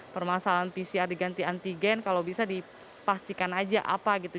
permasalahan pcr diganti antigen kalau bisa dipastikan aja apa gitu